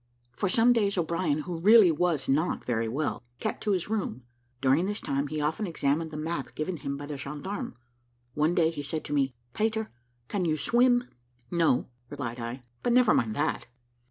For some days O'Brien, who really was not very well, kept to his room. During this time, he often examined the map given him by the gendarme. One day he said to me, "Peter, can you swim?" "No," replied I; "but never mind that."